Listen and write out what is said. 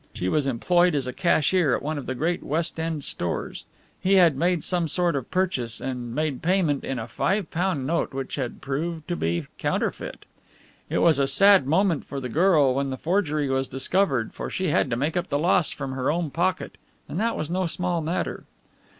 She was employed as a cashier at one of the great West End stores. He had made some sort of purchase and made payment in a five pound note which had proved to be counterfeit. It was a sad moment for the girl when the forgery was discovered, for she had to make up the loss from her own pocket and that was no small matter.